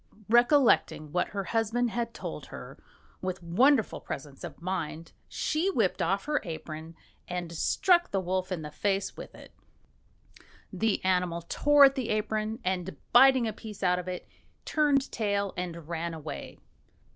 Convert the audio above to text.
Recollecting what her husband had told her, with wonderful presence of mind she whipped off her apron and struck the wolf in the face with it. The animal tore at the apron, and biting a piece out of it, turned tail and ran away.